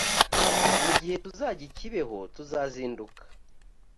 mu gihe tuzajya ikibeho tuzazinduka